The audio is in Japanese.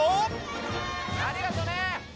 ありがとね！